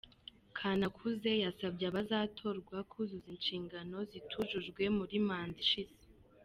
Kanakuze yasabye abazatorwa kuzuzuza inshingano zitujujwe muri manda ishize.